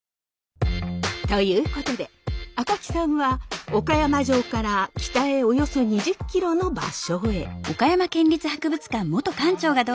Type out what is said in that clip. ということで赤木さんは岡山城から北へおよそ２０ｋｍの場所へ。